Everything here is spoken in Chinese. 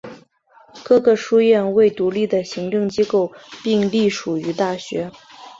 各个书院为独立的行政机构并隶属于大学。